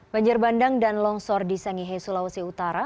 banjir bandang dan longsor di sangihe sulawesi utara